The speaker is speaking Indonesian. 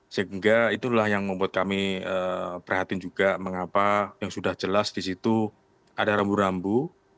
sehingga itulah yang membuat kami prihatin juga mengapa yang sudah jelas di situ ada rambu rambu